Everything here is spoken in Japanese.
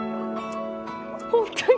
本当に！？